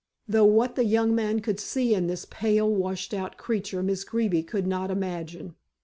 Though what the young man could see in this pale, washed out creature Miss Greeby could not imagine.